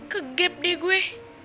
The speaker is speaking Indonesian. kegep deh gue